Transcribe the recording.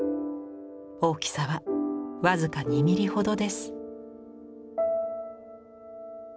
大きさは僅か２ミリほどです。